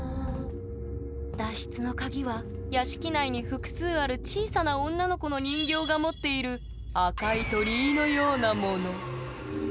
脱出の鍵は屋敷内に複数ある小さな女の子の人形が持っている赤い鳥居のようなもの。